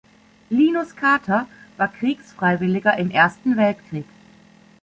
Linus Kather war Kriegsfreiwilliger im Ersten Weltkrieg.